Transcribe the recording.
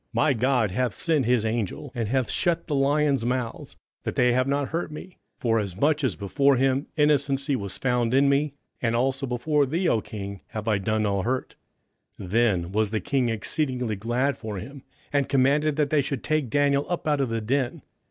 27:006:022 My God hath sent his angel, and hath shut the lions' mouths, that they have not hurt me: forasmuch as before him innocency was found in me; and also before thee, O king, have I done no hurt. 27:006:023 Then was the king exceedingly glad for him, and commanded that they should take Daniel up out of the den.